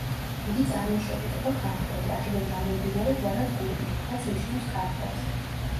იგი წარმოშობით იყო ქართველი, აქედან გამომდინარე გვარად გურჯი, რაც ნიშნავს „ქართველს“.